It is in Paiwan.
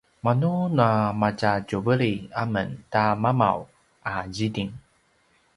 manu na matjatjuveli amen ta mamav a ziting